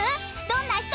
どんな人？